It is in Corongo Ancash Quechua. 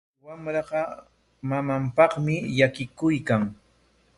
Chay wamraqa mamanpaqmi llakikuykan.